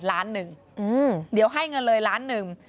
ล้านหนึ่งเดี๋ยวให้เงินเลยล้านหนึ่ง